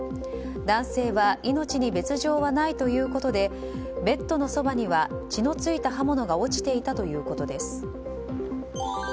男性は命に別条はないということでベッドのそばには血の付いた刃物が落ちていたということです。